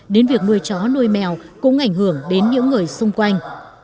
đến việc nuôi chó nuôi mèo cũng ảnh hưởng đến những người xung quanh